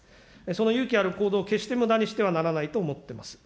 その勇気ある行動を決してむだにしてはならないと思ってます。